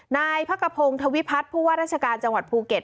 นายพักกระพงธวิพัฒน์ผู้ว่าราชการจังหวัดภูเก็ต